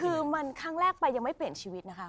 คือมาข้างแรกไปไม่เป็นชีวิตนะครับ